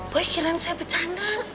pohon kira kira saya bercanda